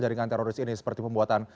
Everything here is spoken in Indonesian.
jaringan teroris ini seperti pembuatan